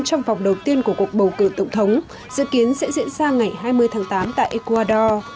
trong vòng đầu tiên của cuộc bầu cử tổng thống dự kiến sẽ diễn ra ngày hai mươi tháng tám tại ecuador